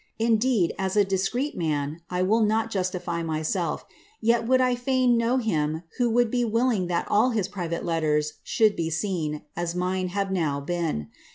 Indeed, as a discreet man, I will not jutify myself; yet would I fain know him who would be willing that iB his private letters should be seen, as mine have now been.